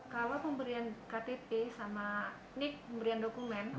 kalau pemberian ktp sama nik pemberian dokumen